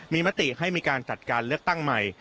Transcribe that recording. มีมติให้มีการจัดการเลือกตั้งใหม่